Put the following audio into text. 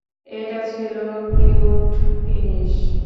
এটা ছিলো cute finish!